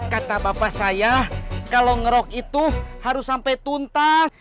kata bapak saya kalau ngerok itu harus sampai tuntas